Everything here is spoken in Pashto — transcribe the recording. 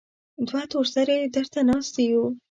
دوه تور سرې درته ناستې يو.